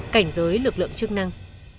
cảnh giới lực lượng chức năng